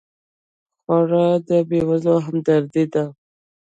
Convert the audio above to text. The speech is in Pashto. خور د بېوزلو همدرده ده.